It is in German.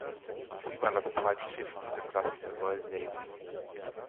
Sie war das zweite Schiff dieser Klasse der Royal Navy.